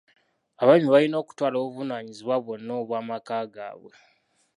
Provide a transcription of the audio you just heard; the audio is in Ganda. Abaami balina okutwala obuvunaanyibwa bwonna obw'amaka gaabwe.